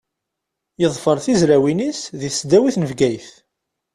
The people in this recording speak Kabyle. Yeḍfer tizrawin-is deg tesdawit n Bgayet.